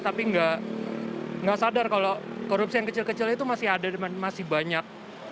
tapi nggak sadar kalau korupsi yang kecil kecil itu masih ada masih banyak